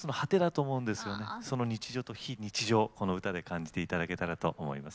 その日常と非日常をこの歌で感じていただけたらと思います。